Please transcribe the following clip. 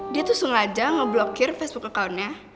dia tuh sengaja ngeblokir facebook accountnya